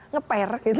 ngeper gitu ya